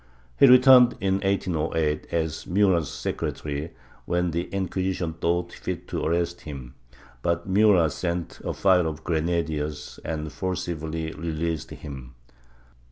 He returned, in 1808, as Murat's secretary, when the Inquisition thought fit to arrest him, but Murat sent a file of grenadiers and forcibly released him.